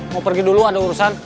mau pergi dulu ada urusan